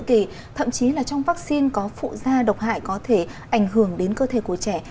thì thậm chí là trong vắc xin có phụ da độc hại có thể ảnh hưởng đến cơ thể của trẻ